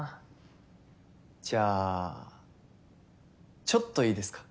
じゃあちょっといいですか？